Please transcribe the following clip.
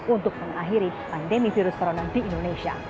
untuk mengakhiri pandemi virus corona di indonesia